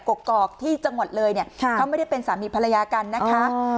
กกอกที่จังหวัดเลยเนี่ยเขาไม่ได้เป็นสามีภรรยากันนะคะ